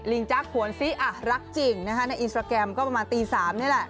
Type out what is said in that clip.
ลิงจักรขวนซี้อ่ะรักจริงนะครับในอินสตราแกรมก็ประมาณตี๓นี่แหละ